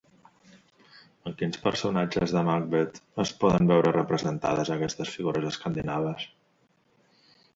En quins personatges de Macbeth es poden veure representades aquestes figures escandinaves?